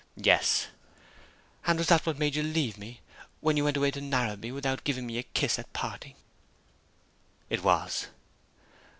"Yes." "And was that what made you leave me, when you went away to Narrabee, without giving me a kiss at parting?" "It was."